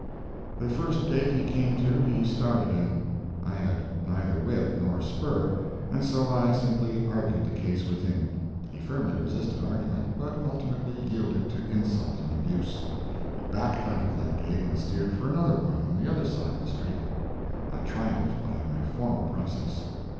The first gate he came to he started in; I had neither whip nor spur, and so I simply argued the case with him. He firmly resisted argument, but ultimately yielded to insult and abuse. He backed out of that gate and steered for another one on the other side of the street. I triumphed by my former process.